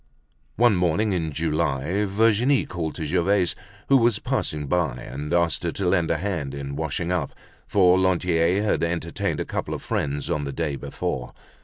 One morning in July Virginie called to Gervaise, who was passing by, and asked her to lend a hand in washing up, for Lantier had entertained a couple of friends on the day before.